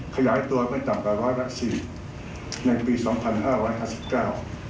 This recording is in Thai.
ขยายตัวไม่ต่ำกว่าร้อยละสี่ในปีสองพันห้าร้อยห้าสิบเก้า